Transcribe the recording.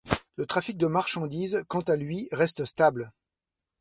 Le trafic de marchandises, quand à lui reste stable.